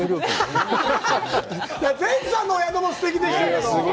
善さんのお宿もすてきでしたけど。